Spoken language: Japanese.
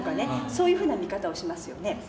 そういうふうな見方をしますよね。